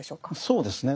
そうですね。